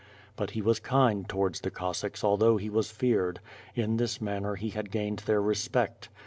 But he was kind towards the Cos sacks although he was feared; in this manner he had gained their respect.